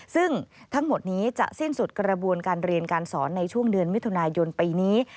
ซึ่งทั้งหมดนี้จะสิ้นสุดกระบวนการเรียนการสอนในช่วงเดือนมิถุนายนปีนี้